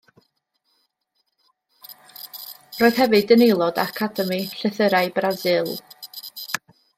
Roedd hefyd yn aelod o Academi Llythyrau Brasil.